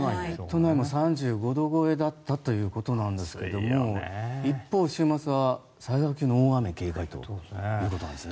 都内も３５度超えだったということなんですが一方、週末は災害級の大雨に警戒ということなんですね。